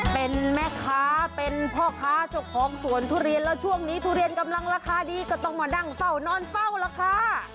เป็นแม่ค้าเป็นพ่อค้าเจ้าของสวนทุเรียนแล้วช่วงนี้ทุเรียนกำลังราคาดีก็ต้องมานั่งเฝ้านอนเฝ้าล่ะค่ะ